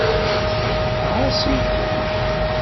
Ɛassem-ten.